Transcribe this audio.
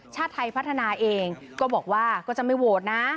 ชาติไทยพัฒนาเองก็บอกว่าก็จะไม่โหวตนะ